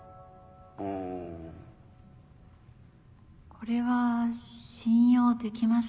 これは信用できますか？